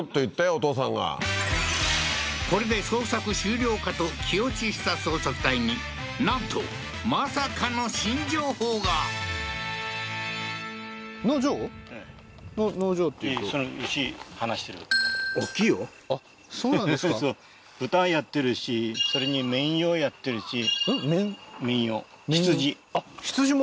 お父さんがこれで捜索終了かと気落ちした捜索隊になんとまさかの新情報が農場っていうとあっそうなんですかそうそうそれに綿綿羊あっ羊も？